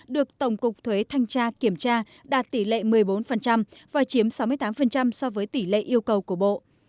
được tổng cục thuế thanh tra kiểm tra đạt tỷ lệ một mươi bốn và chiếm sáu mươi tám so với tỷ lệ yêu cầu của bộ